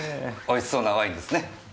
美味しそうなワインですね。